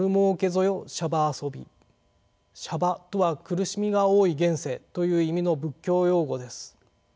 「娑婆」とは「苦しみが多い現世」という意味の仏教用語です。